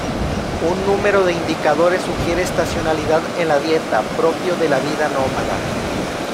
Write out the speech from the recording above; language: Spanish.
Un número de indicadores sugiere estacionalidad en la dieta, propio de la vida nómada.